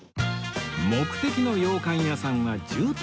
目的の羊羹屋さんは住宅街の中